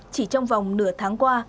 chỉ trong vòng nửa tháng qua